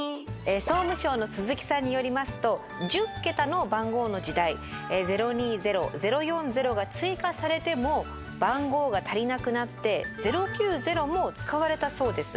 総務省の鈴木さんによりますと１０桁の番号の時代「０２０」「０４０」が追加されても番号が足りなくなって「０９０」も使われたそうです。